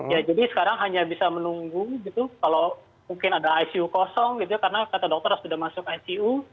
ya jadi sekarang hanya bisa menunggu gitu kalau mungkin ada icu kosong gitu ya karena kata dokter sudah masuk icu